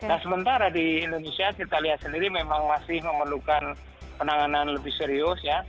nah sementara di indonesia kita lihat sendiri memang masih memerlukan penanganan lebih serius ya